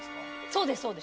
そうです。